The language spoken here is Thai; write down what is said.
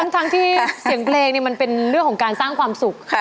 ทั้งที่เสียงเพลงมันเป็นเรื่องของการสร้างความสุข